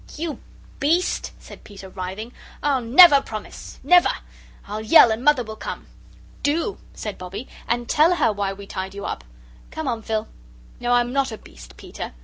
"You beast!" said Peter, writhing. "I'll never promise, never. I'll yell, and Mother will come." "Do," said Bobbie, "and tell her why we tied you up! Come on, Phil. No, I'm not a beast, Peter.